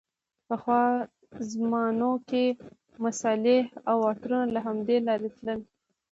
پخوا زمانو کې مصالحې او عطرونه له همدې لارې تللې.